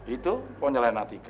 itu nyalahin atika